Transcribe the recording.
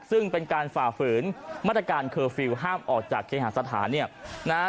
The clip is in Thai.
ซึ่งเป็นการฝ่าฝืนมาตรการเคอร์ฟิลล์ห้ามออกจากเคหาสถานเนี่ยนะฮะ